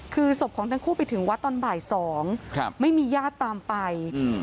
คือศพของทั้งคู่ไปถึงวัดตอนบ่ายสองครับไม่มีญาติตามไปอืม